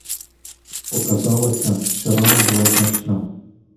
Показалося, що рана була значна.